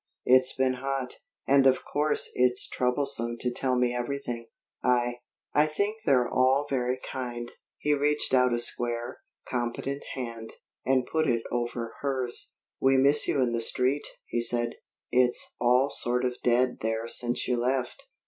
It's been hot, and of course it's troublesome to tell me everything. I I think they're all very kind." He reached out a square, competent hand, and put it over hers. "We miss you in the Street," he said. "It's all sort of dead there since you left.